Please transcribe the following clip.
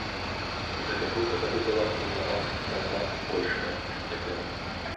І гэтая група тады была ў паўтара раза большая, чым цяпер.